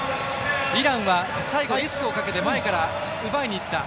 イランは最後、リスクをかけて前から奪いにいった。